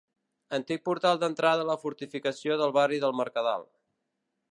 Antic portal d'entrada a la fortificació del barri del Mercadal.